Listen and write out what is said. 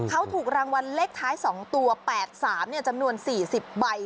เขาถูกรางวัลเลขท้าย๒ตัว๘๓จำนวน๔๐ใบ